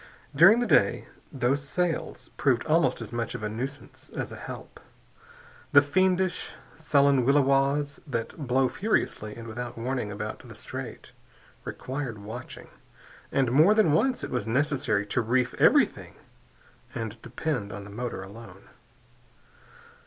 During the day, those sails proved almost as much of a nuisance as a help. The fiendish, sullen williwaws that blow furiously and without warning about the Strait required watching, and more than once it was necessary to reef everything and depend on the motor alone.